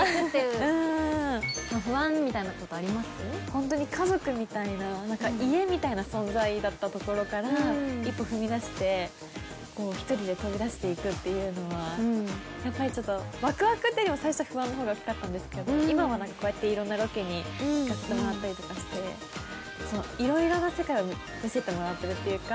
ホントに家族みたいななんか家みたいな存在だったところから一歩踏み出して一人で飛び出していくっていうのはやっぱりちょっとワクワクっていうよりも最初不安の方が大きかったんですけど今はこうやって色んなロケに行かせてもらったりとかして色々な世界を見せてもらってるっていうか。